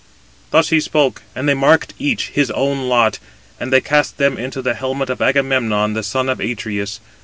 Thus he spoke, and they marked each his own lot, and they cast them into the helmet of Agamemnon, the son of Atreus.